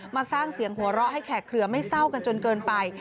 สร้างเสียงหัวเราะให้แขกเคลือไม่เศร้ากันจนเกินไป